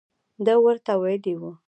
ده ورته ویلي وو.